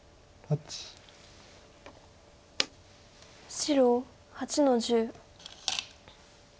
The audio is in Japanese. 白８の十。